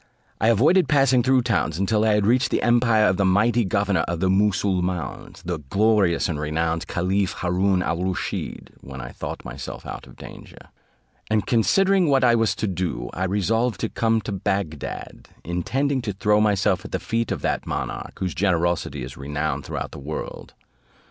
I avoided passing through towns, until I had reached the empire of the mighty governor of the Moosulmauns, the glorious and renowned caliph Haroon al Rusheed, when I thought myself out of danger; and considering what I was to do, I resolved to come to Bagdad, intending to throw myself at the feet of that monarch, whose generosity is renowned throughout the world.